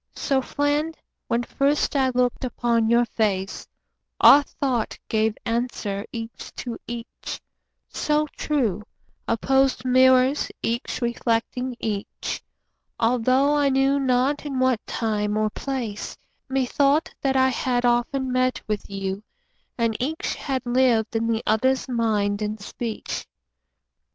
So, friend, when first I look'd upon your face, Our thought gave answer each to each, so true— Opposed mirrors each reflecting each— Altho' I knew not in what time or place, Methought that I had often met with you, And each had lived in the other's mind and speech.